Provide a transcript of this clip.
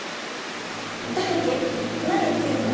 大樹何言っているの？